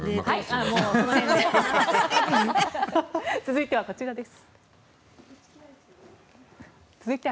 続いてはこちらです。